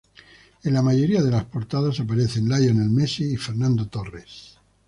En la mayoría de las portadas aparecen Lionel Messi y Fernando Torres.